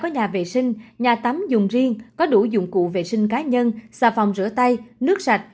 nhà vệ sinh nhà tắm dùng riêng có đủ dụng cụ vệ sinh cá nhân xà phòng rửa tay nước sạch